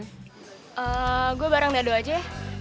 eee gue bareng nado aja ya